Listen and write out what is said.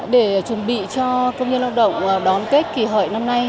để chuẩn bị cho công nhân lao động đón kết kỳ hợi năm nay